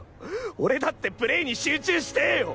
俺だってプレーに集中してぇよ！